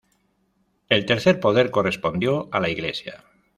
El tercer poder correspondió a la Iglesia.